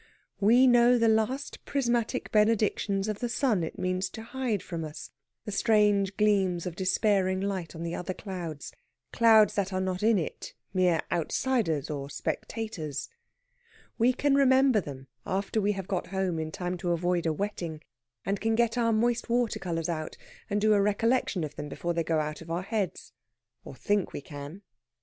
We know the last prismatic benedictions of the sun it means to hide from us the strange gleams of despairing light on the other clouds clouds that are not in it, mere outsiders or spectators. We can remember them after we have got home in time to avoid a wetting, and can get our moist water colours out and do a recollection of them before they go out of our heads or think we can.